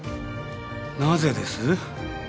なぜです？